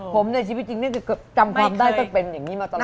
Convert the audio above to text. ผมในชีวิตจริงนั้นก็เกือบกลับความได้ต้องเป็นอย่างนี้มาตลอด